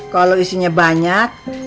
kalau isinya banyak